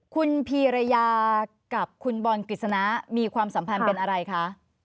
คุณพีรยากับคุณบอลกฤษณะมีความสัมพันธ์เป็นอะไรคะ